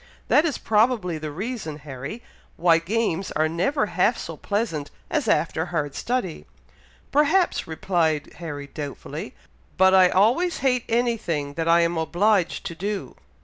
That is probably the reason, Harry, why games are never half so pleasant as after hard study." "Perhaps," replied Harry, doubtfully; "but I always hate any thing that I am obliged to do."